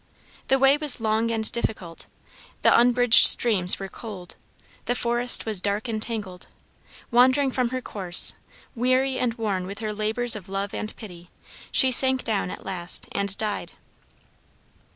The way was long and difficult, the unbridged streams were cold, the forest was dark and tangled. Wandering from her course, weary and worn with her labors of love and pity, she sank down at last and died.